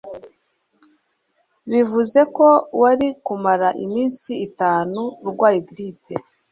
Bivuze ko wari kumara iminsi itanu urwaye grippe